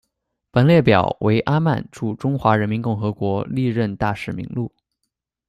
本列表为阿曼驻中华人民共和国历任大使名录。